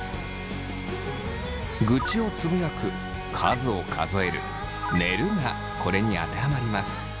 愚痴をつぶやく数を数える寝るがこれに当てはまります。